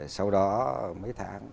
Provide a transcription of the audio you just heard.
sau đó mấy tháng